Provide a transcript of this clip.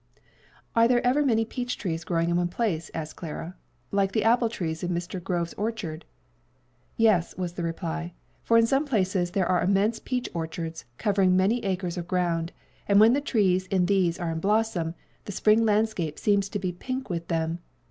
"Are there ever many peach trees growing in one place," asked Clara, "like the apple trees in Mr. Grove's orchard?" "Yes," was the reply, "for in some places there are immense peach orchards, covering many acres of ground; and when the trees in these are in blossom, the spring landscape seems to be pink with them.